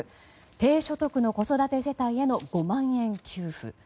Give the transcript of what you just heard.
低所得者の子育て世帯への５万円給付。